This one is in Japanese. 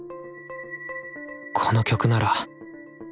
この曲なら譜面